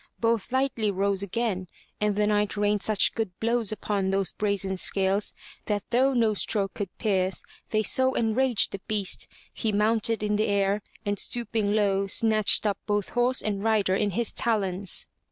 Both lightly rose again and the Knight rained such good blows upon those brazen scales, that though no stroke could pierce, they so enraged the beast, he mounted in the air and stooping low, snatched 45 M Y BOOK HOUSE up both horse and rider in his talons.